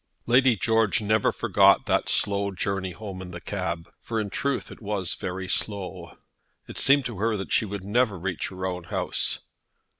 Lady George never forgot that slow journey home in the cab, for in truth it was very slow. It seemed to her that she would never reach her own house.